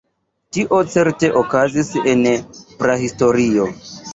Tio certe okazis en prahistorio.